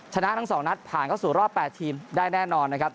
ชนะทั้ง๒นัดผ่านเข้าสู่รอบ๘ทีมได้แน่นอนนะครับ